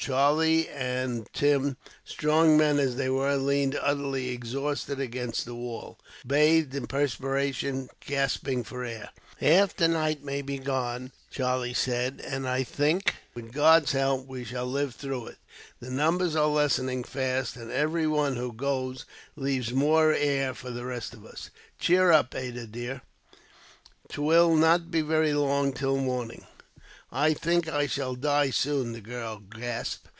Charlie and Tim, strong men as they were, leaned utterly exhausted against the wall, bathed in perspiration, gasping for air. "Half the night must be gone, Tim," Charlie said, "and I think, with God's help, we shall live through it. The numbers are lessening fast, and every one who goes leaves more air for the rest of us. "Cheer up, Ada dear, 'twill not be very long till morning." "I think I shall die soon," the girl gasped.